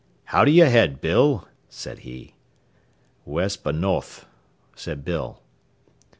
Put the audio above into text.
"How d'you head, Bill?" said he. "West b' no'the," said Bill.